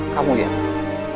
kamu lihat itu